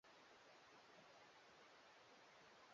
Mimi ninahaja na wewe kila saa